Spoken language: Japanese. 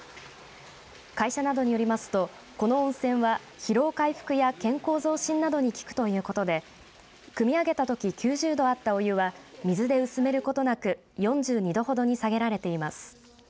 会社などによりますとこの温泉は疲労回復や健康増進などに効くということでくみ上げたとき９０度あったお湯は水で薄めることなく４２度ほどに下げられています。